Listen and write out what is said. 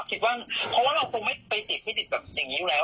คิดว่าเพราะว่าเราคงไม่ไปติดที่ติดแบบอย่างนี้อยู่แล้ว